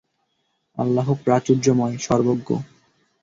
আল্লাহ্ প্রাচুর্যময়, সর্বজ্ঞ।